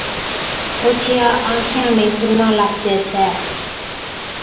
اوڇِيان آنکيان ۾ سُرما ناکجَي ڇَي